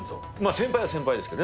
先輩は先輩ですけど。